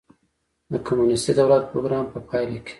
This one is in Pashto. د کمونېستي دولت پروګرام په پایله کې.